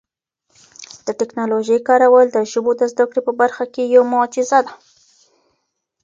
د ټکنالوژۍ کارول د ژبو د زده کړې په برخه کي یو معجزه ده.